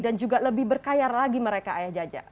dan juga lebih berkayar lagi mereka ayah jaja